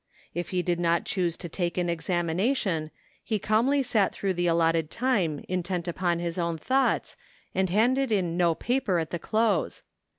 If he did not choose to take an examination he calmly sat through the allotted time intent upon his own thoughts and handed in no paper at the close.